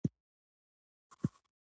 دی به یوازې پاتې شي.